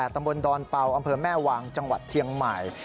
ตำบลดอนเป่าอำเภอแม่วางจังหวัดเชียงใหม่